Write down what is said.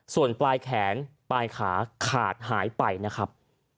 ส่วนปลายแขนปลายขาขาดหายไปนะครับ